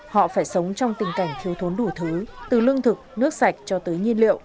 họ phải sống trong tình cảnh thiếu thốn đủ thứ từ lương thực nước sạch cho tới nhiên liệu